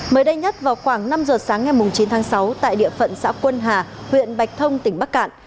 mới đây nhất vào khoảng năm giờ sáng ngày chín tháng sáu tại địa phận xã quân hà huyện bạch thông tỉnh bắc cạn